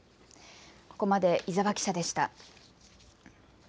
ここまで伊沢記者でした。